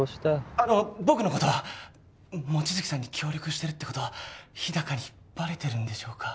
あの僕のことは望月さんに協力してるってことは日高にバレてるんでしょうか？